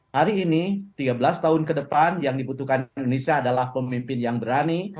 hari ini tiga belas tahun ke depan yang dibutuhkan indonesia adalah pemimpin yang berani